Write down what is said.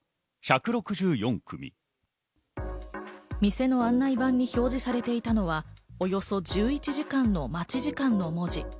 店の案内板に表示されていたのは、およそ１１時間の待ち時間の文字。